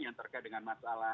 yang terkait dengan masalah